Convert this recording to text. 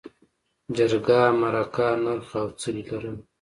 جرګه، مرکه، نرخ او څلي لرل.